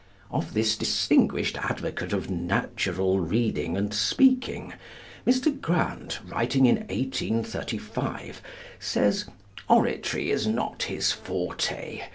Of this distinguished advocate of 'natural' reading and speaking, Mr. Grant, writing in 1835, says: 'Oratory is not his forte